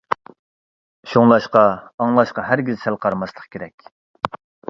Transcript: شۇڭلاشقا ئاڭلاشقا ھەرگىز سەل قارىماسلىق كېرەك.